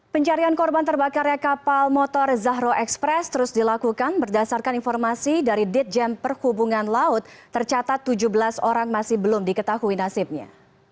pencarian korban terbakarnya kapal motor zahro express terus dilakukan berdasarkan informasi dari ditjen perhubungan laut tercatat tujuh belas orang masih belum diketahui nasibnya